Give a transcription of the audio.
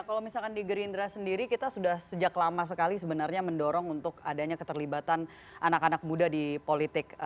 kalau misalkan di gerindra sendiri kita sudah sejak lama sekali sebenarnya mendorong untuk adanya keterlibatan anak anak muda di politik